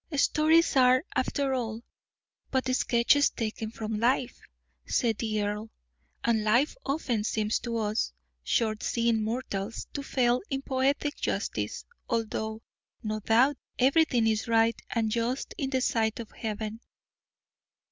"Stories are, after all, but sketches taken from life," said the earl, "and life often seems to us, short seeing mortals, to fail in poetic justice, although, no doubt, everything is right and just in the sight of Heaven.